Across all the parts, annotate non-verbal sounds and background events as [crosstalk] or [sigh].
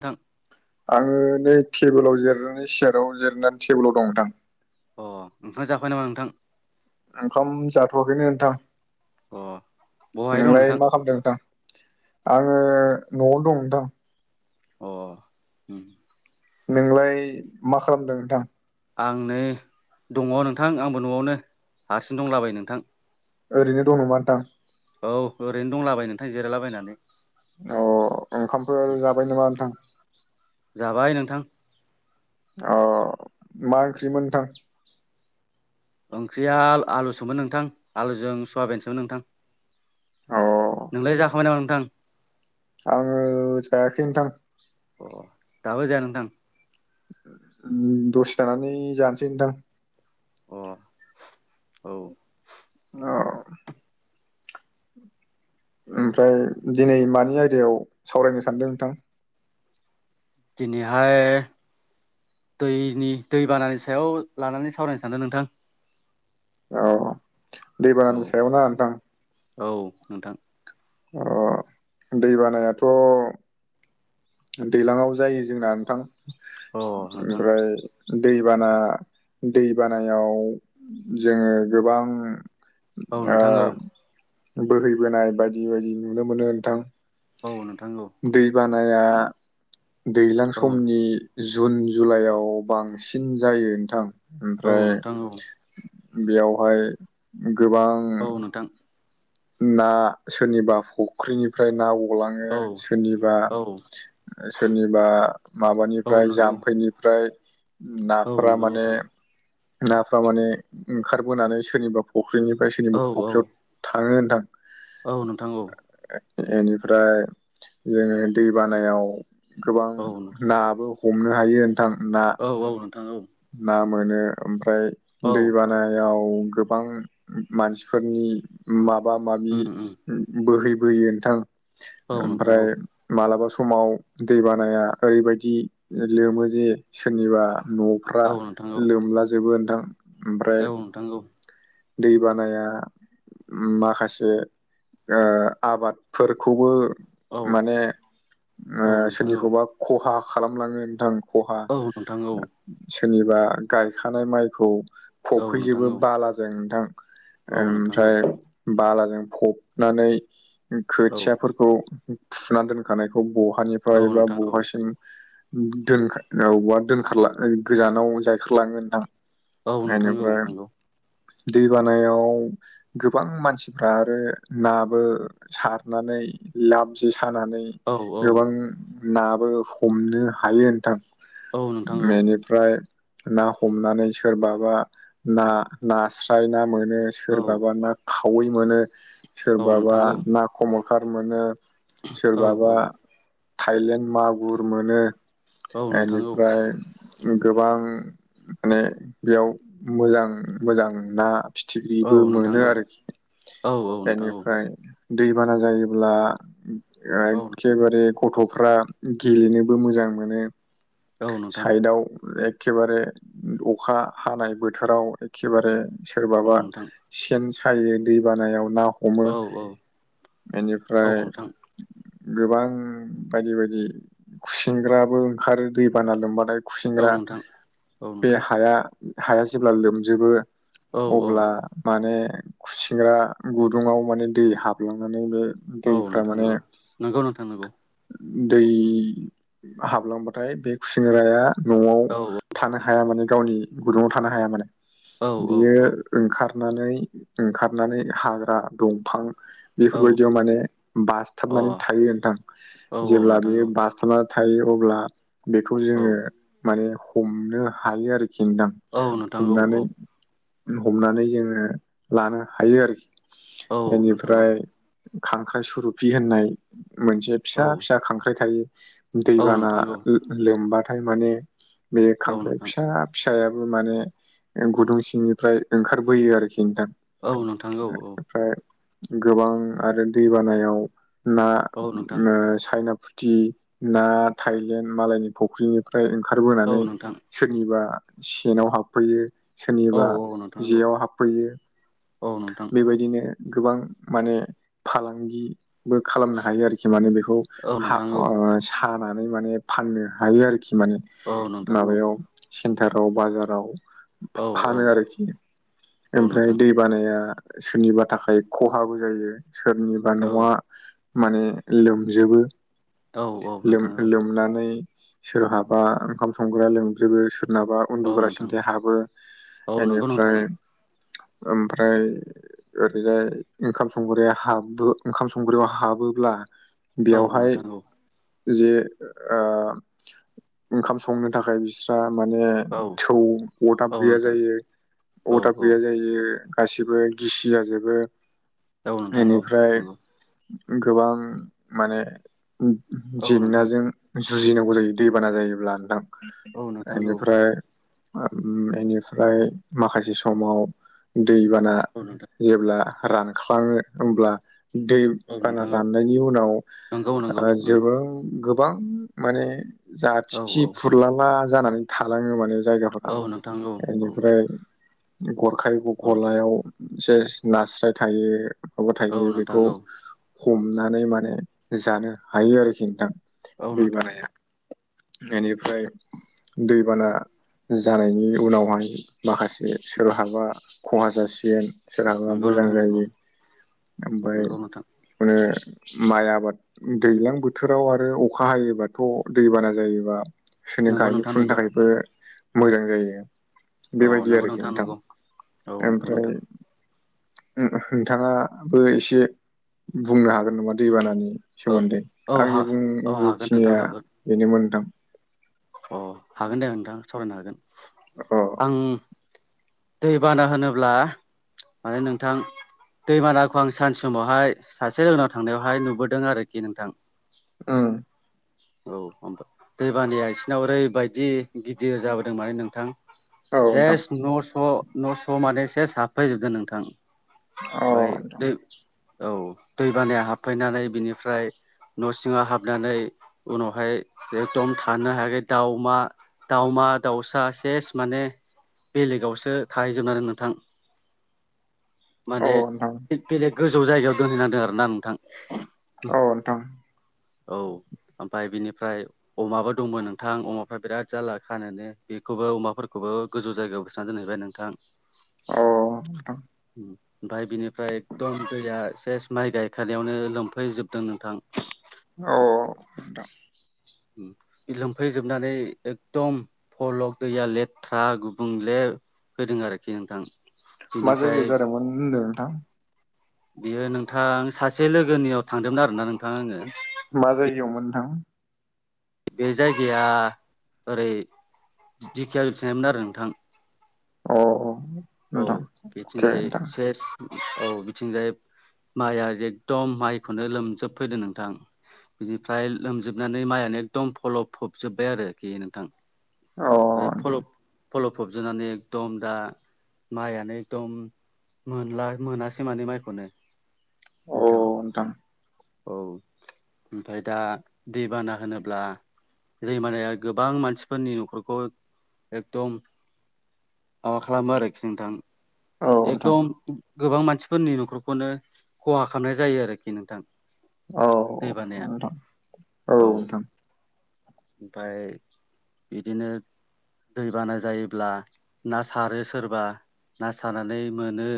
थां आङो नै टेबोलाव जिरायनानै चेयाराव जिरायनानै टेबोलाव दं नोंथां अ ओंखाम जाखांबाय नामा नोंथां ओंखाम जाथ'वाखैनो नोंथां अ बहाय दं नोंलाय नोंथां मा खालामदों नोंथां आङो न'आवनो दं नोंथां अ ओम नोंलाय मा खालामदों नोंथां आं नै दङ नोंथां आंबो न'आवनो हारसिंनो दंलाबायो नोंथां ओरैनो दं नामा नोंथां औ ओरैनो दंलाबायो नोंथां जिरायला बायनानै अ ओंखामफोर जाबाय नामा नोंथां जाबाय नोंथां अ मा ओंख्रिमोन नोंथां ओंख्रिया आलु सोमोन नोंथां आलुजों सुवाबेन सोमोन नोंथां अ नोंलाय जाखांबाय नामा नोंथां आङो जायाखै नोंथां अ दाबो जाया नोंथां ओम दसे थानानै जानोसै नोंथां अ औ औ ओमफ्राय दिनै मानि आयदायाव सावरायनो सानदों नोंथां दिनैहाय दैनि दैबानानि सायाव लानानै सावरायनो सानदों नोंथां औ औ दैबानानि सायावना नोंथां औ नोंथां अ दैबानायाथ' दैलाङाव जायो जोंना नोंथां अ नोंथां ओमफ्राय दैबाना दैबानायाव जोङो गोबां औ ओ नोंथां औ बोहैबोनाय बायदि बायदि नुनो मोनो नोंथां औ नोंथां औ दैबानाया दैलां औ समनि जुन जुलाइआव बांसिन जायो नोंथां औ ओमफ्राय नोंथां औ बेयावहाय गोबां औ नोंथां ना सोरनिबा फुख्रिनिफ्राय ना गलाङो औ सोरनिबा औ सोरनिबा औ माबानिफ्राय नंगौ जाम्फैनिफ्राय औ नाफोरा नंगौ माने नोंथां नाफोरा माने ओंखारबोनानै सोरनिबा फ'ख्रिनिफ्राय औ सोरनिबा औ फ'ख्रियाव थाङो नोंथां। औ नोंथां औ बेनिफ्राय जोङो दै बानायाव गोबां औ नाबो हमनो हायो नोंथां ना औ-औ नोंथां औ ना मोनो ओमफ्राय औ दै‌‌ बा नायाव गोबां मानसिफोरनि माबा माबि उम उम बोहै बोयो नोंथां औ नोंथां औ ओमफ्राय मालाबा समाव दै बानाया ओरैबायदि लोमो जे सोरनिबा न'फ्रा औ नोंथां औ लोमलाजोबो नोंथां। ओमफ्राय औ नोंथां औ दै बानाया माखासे ओ आबादफोरखौबो औ माने औ नोंथां औ सोरनिखौबा खहा खालामलाङो नोंथां। खहा औ नोंथां औ सोरनिबा गायखानाय माइखौ औ नोंथां फबफैजोबो औ बालाजों नोंथां औ नोंथां औ नोंथां ओमफ्राय बालाजों फबनानै खोथियाफोरखौ फुनानै दोनखानायखौ ब निफ्राय एबा औ बहासिम [inaudible] दोन गोजानाव जायखारलाङो नोंथां औ नोंथां औ नंगौ दै बानायाव गोबां मानसिफ्रा आरो नाबो सारनानै लाबजे सानानै औ औ गोबां नाबो हमनो हायो नोंथां औ नोंथां औ बेनि फ्राय ना हमनानै सोरबाबा ना नास्राय ना मोनो। औ सोरबाबा ना खावै मोनो औ सोरबाबा नोंथां औ ना खमरखार मोनो औ सोरबाबा थायलेण्ड मागुर मोनो। औ नोंथां औ ओ नोंथां औ बेनिफ्राय गोबां माने बेयाव मोजां मोजां ना फिथिख्रिबो मोनो आरोखि औ नोंथां औ नोंथां औ नोंथां बेनिफ्राय दैबाना जायोब्ला एखेबारे गथ'फ्रा गेलेनोबो मोजां मोनो साइदआव एक खेबारे अखा हानाय बोथोराव एखेबारे औ सोरबाबा नोंथां सेन सायो दै बानायाव ना हमो औ औ इनिफ्राय नोंथां गोबां बायदि बायदि खुसेंग्राबो ओंखारो दैबाना लोमबाथाय औ खुसिंग्रा नोंथां औ बे नोंथां हाया हाया जेब्ला लोमजोबो औ औ अब्ला माने खुसेग्रा गुदुङाव माने दै हाबलांनानैबो औ नोंथा औ नोंगौ नोंथां नोंगौ। दै हाबलांबाथाय बे सिंग्राया न'आव औ थानो हाया माने गावनि गुदुंङाव थानो हाया माने। औ बियो औ ओंखारनानै ओंखारनानै हाग्रा दंफां औ अ बेफोरबायदियाव माने बासथाबनानै थायो नोंथां औ जेब्ला नोंथां बेयो औ बा सथाबना थायो अब्ला बेखौ औ जोङो माने हमनो हायो आरोखि नोंथां औ नो हमनानै हमनानै जोङो लानो हायो आरोखि औ नोंथां इनिफ्राय खांख्राइ सुरुफि होननाय मोनसे औ फिसा औ फिसा खांख्राइ थायो औ दैबाना नोंथां औ लोमबाथाय माने बे औ खांख्राइ नोंथां फिसा फिसायाबो माने गुदुं सिंनिफ्राय ओंखारबोयो आरोखि नोंथां औ नोंथां औ औ ओमफ्राय गोबां आरो दैबानायाव ना औ नोंथां ओ सायनाफुथि ना थायलेण्ड मालायनि फुख्रिनिफ्राय औ ओंखारबोनानै नोंथां सोरनिबा सेनाव हाबफैयो औ सोरनिबा नोंथां औ जेयाव हाबफैयो औ नोंथां बेबायदिनो गोबां माने फालांगि बो खालामनो हायो आरोखि माने बेखौ औ हा ओ नोंथां हानानै माने फाननो हायो आरोखि माने औ नोंथां औ माबायाव सेन्टाराव बाजाराव औ फानो औ आरोखि औ नोंथां औ ओमफ्राय नोंथां दै बानाया सोरनिबा थाखाय खहाबो जायो सोरनिबा न'आ माने लोमजोबोमोन लोम औ लोमनानै सोरहाबा ओंखाम संग्रा लोंजोबो सोरनाबा औ उन्दुग्रा नोंथां सिन्थाय हाबो औ नंगौ एनिफ्राय नोंथां ओमफ्राय ओरैजाय ओंखाम संग्राया हाबो ओंखाम संग्रायाव हाबोब्ला औ बेयावहाय नोंथां औ जे ओ ओंखाम संनो थाखाय बि माने थौ अरदाब गैया औ जायो नोंथां औ अरदाब गैया जायो यो गासिबो गिसि जाजोबो औ नोंथां औ इनिफ्राय नंगौ गोबां माने औ नोंथां जेंनाजों जुजिनांगौ जायो दैबाना जायोब्ला नोंथां औ नोंथां औ इनिफ्राय इनिफ्राय माखासे समाव दैबाना औ नोंथां जेब्ला रानखाङो होमब्ला दै औ बाना नोंथां औ राननायनि उनाव नंगौ नंगौ उम जोङो गोबां माने औ जाथिथि औ फुरलाला जानानै थालाङो माने जायगाफोरा औ नोंथां औ औ इनिफ्राय गरखाय औ गलायाव सेस नास्राय थायो माबा औ थायो नोंथां बेखौ औ हमनानै माने जानो हायो आरोखि नोंथां औ नोंथां दैबानाया इनिफ्राय दैबाना जानायनि उनावहाय माखासे सोरहाबा खहा जासिगोन सोरहाबा नंगौ मोजां नोंथां नंगौ जायो ओमफ्राय नंगौ नोंथां बेखौनो माइ आबाद दैज्लां बोथोराव आरो अखा हायोबाथ दैबाना जायोबा [unintelligible] नंगौ गायनो नोंथां फुनो नंगौ थाखायबो मोजां जायो औ बेबायदि नंगौ आरोखि नोंथां नंगौ औ नंगौ ओमफ्राय नोंथां नोंथाङाबो एसे बुंनो हागोन नामा दैबानानि औ सोमोन्दै औ हा आंनि बुं औ हागोन नोंथां गौखिनिया हागोन बेनोमोन नोंथां अ हागोन दे नोंथां सावरायनो हागोन अ आं दै बाना होनोब्ला माने नोंथां दै बानाखौ आं सानसे समावहाय सासे लोगोनाव थांनायावहाय नुबोदों आरोखि नोंथां उम औ दै बानाया इसिरनाव ओरैबायदि गिदिर जाबोदों माने नोंथां औ नोंथां सेस नस' नस' माने सेस हाबफैजोबदों नोंथां औ बाय नोंथां दै औ दै बानाया हाबफैनानै बिनिफ्राय न' सिङाव हाबनानै उनावहाय एकदम थानो हायाखै दावमा दावमा दाउसा सेस माने बेलेगावसो थाहै जोबनांदों नोंथां [inaudible] औ माने नोंथां बेलेग गोजौ जायगायाव दोनहैनांदों आरो नों थां औ नोंथां औ ओमफ्राय बिनिफ्राय अमाबो दंमोन नोंथां अमाफ्रा बिराद जारला खानोनो बेखौबो अमाफोरखौबो गोजौ जायगायाव [unintelligible] दोनहैबाय नोंथां अ उम ओमफ्राय बिनिफ्राय एकदम दैया सेस माइ गायखानायावनो लोमफैजोबदों नोंथां। औ नोंथां लोमफैजोबनानै एकदम फल दैया लेथ्रा गुबुंले फैदों आरोखि नोंथां मा बेनिफ्राय जायगायाव जादोंमोन होनदों नोंथां? बियो नोंथां सासे लोगोनियाव थांदोंमोन आरोना नोंथां आङो मा जायगायावमोन नोंथां? बे जायगाया ओरै दिखिया जुलिथिंहायमोन आरो नोंथां अ अ औ नोंथां अके बिथिंजाय नोंथां सेस औ बिथिंजाय माइआ एखदम माइखौनो लोमजोबफैदो नोंथां। बिनिफ्राय लोमजोबनानै माइआनो एकदम फलब फबजोब्बाय आरोखि नोंथां अ ओ फलब फलब फबजोबनानै एकदम दा माइआनो एकदम मोनला मोनासै माने माइखौनो नोंथां औ ओमफ्राय दा दैबाना होनोब्ला दै बानाया गोबां मानसिफोरनि नखरखौ एकदम माबा खालामो आरोखि नोंथां औ नोंथां एकदम गोबां मानसिफोरनि नख'रखौनो खहा खालामनाय जायो आरोखि नोंथां औ दैबानाया नोंथां औ ओमफ्राय बिदिनो दैबाना जायोब्ला ना सारो सोरबा ना सारनानै मोनो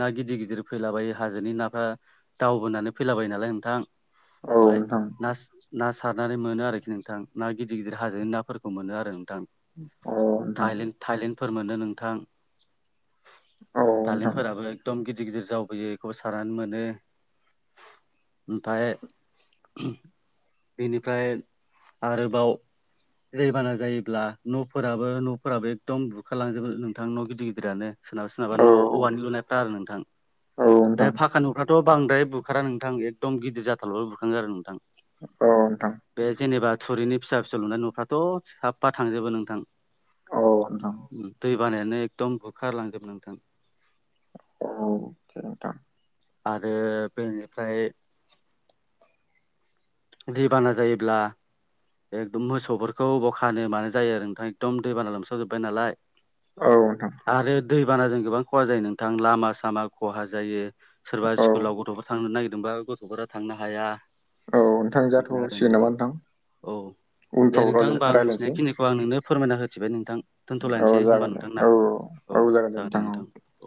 ना गिदिर गिदिर फैलाबायो हाजोनि नाफ्रा दावबोनानै फैलाबायो नालाय नोंथां औ ओमफाय नोंथां नास ना सारनानै मोनो आरोखि नोंथां ना गिदिर गिदिर हाजोनि नाफोरखौ मोनो आरो नोंथां। अ नोंथां थाइलेण्ड थाइलेण्डफोर मोनो नोंथां औ नोंथां दालेमफोराबो एकदम गिदिर गिदिर जावबोयो बेखौबो सारनानै मोनो। ओमफ्राय बिनिफ्राय आरोबाव दै बाना जायोब्ला न'फोराबो न'फोराबो एकदम बुखारलांजोबो नोंथां न' गि गिदिर गिदिरानो सोरनाबा सोरनाबा औ न' औवानि लुनायफ्रा आरो नोंथां औ नोंथां औ बे नोंथां फाखा न'फ्रा थ' बांद्राय बुखारा नोंथां एकदम गिदिर जाथारबा बुंखाङो आरो नोंथां औ नोंथां बे जेनेबा थुरिनि फिसा फिसौ लुनाय न'फ्राथ' साफा थांजोबो नोंथां औ नोंथां दै बानायानो एकदम बुखारलांजोबो नोंथां। औ नोंथां आरो बेनिफ्राय दैबाना जायोब्ला एकदम मोसौफोरखौ अबाव खानो मानो जायो आरो नोंथां एकदम दै बाना लोमस्रावजोब्बाय नालाय औ नोंथां आरो दै बानाजों गोबां ख'हा जायो नोंथां लामा सामा ख'हा जायो सोरबा औ स्कुलाव गथ'फोर थांनो नागिरदोंबा गथ'फोरा थांनो हाया औ नोंथां बिदिनो आरो जाथ'सिगोन नामा नोंथां औ दे उनफ्राव नोंथां रायलाय होमबा आं रायलायनोसै मिथिनायखिनिखौ आं नोंनो फोरमायना होथिबाय नोंथां औ दोनथ'लायनोसै होमबा जागोन दे नोंथां ना औ औ जागोन दे नोंथां। औ